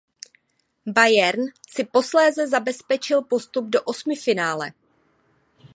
Bayern si posléze zabezpečil postup do osmifinále.